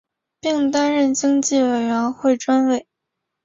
并担任经济委员会专委。